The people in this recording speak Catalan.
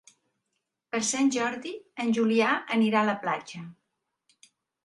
Per Sant Jordi en Julià anirà a la platja.